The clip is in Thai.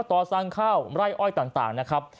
ก่อสร้างข้าวไร่อ้อยต่างนะครับ